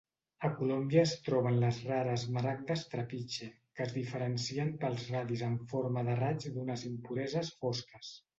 A Colombia es troben les rares maragdes "trapiche", que es diferencien pels radis en forma de raigs d'unes impureses fosques.